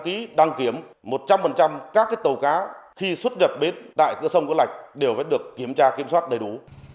các tàu cá khi xuất nhập bến tại cửa sông cửa lạch đều phải được kiểm tra kiểm soát đầy đủ